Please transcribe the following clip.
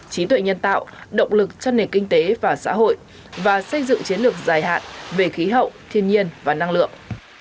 trí tuệ nhân tạo động lực cho nền kinh tế và xã hội và xây dựng chiến lược dài hạn về khí hậu thiên nhiên và năng lượng